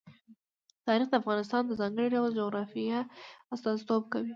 تاریخ د افغانستان د ځانګړي ډول جغرافیه استازیتوب کوي.